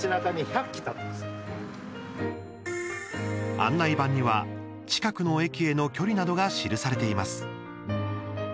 案内板には近くの駅への距離などが記されています。